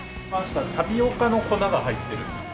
タピオカの粉が入ってるんですよ。